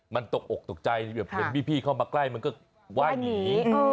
มันตกอกตกใจเห็นพี่พี่เข้ามาใกล้ก็มันอ้ายอย่างนี้